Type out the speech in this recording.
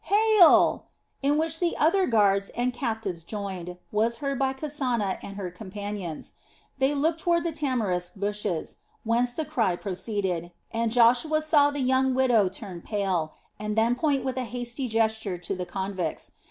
Hall!" in which the other guards and the captives joined, was heard by Kasana and her companions. They looked toward the tamarisk bushes, whence the cry proceeded, and Joshua saw the young widow turn pale and then point with a hasty gesture to the convicts.